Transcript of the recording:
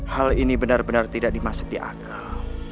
hal ini benar benar tidak dimasuk di akal